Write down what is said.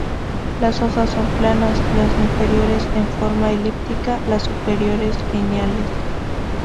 Las hojas son planas, las inferiores en forma elíptica, las superiores lineales.